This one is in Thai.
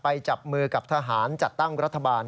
จับมือกับทหารจัดตั้งรัฐบาล